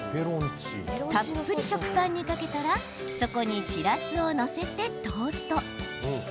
たっぷり食パンにかけたらそこに、しらすを載せてトースト。